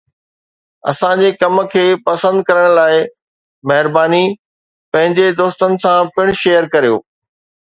اسان جي ڪم کي پسند ڪرڻ لاء مهرباني! پنهنجي دوستن سان پڻ شيئر ڪريو.